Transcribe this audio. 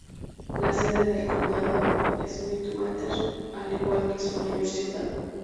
La sede del condado es Sweetwater, al igual que su mayor ciudad.